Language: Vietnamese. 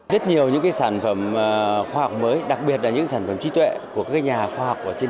rất nhiều những sản phẩm khoa học mới đặc biệt là những sản phẩm trí tuệ của các nhà khoa học trên